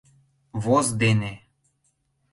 ВОЗ ДЕНЕ